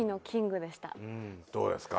どうですか？